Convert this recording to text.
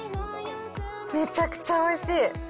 めちゃくちゃおいしい。